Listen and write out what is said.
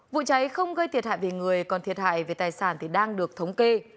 vụ cháy không gây thiệt hại về người còn thiệt hại về tài sản thì đang được thống kê